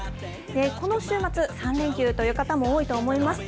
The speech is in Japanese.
この週末、３連休という方も多いと思います。